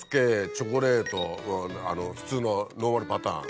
チョコレート普通のノーマルパターン。